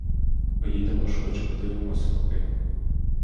Поїдемо ж хоч подивимось копи.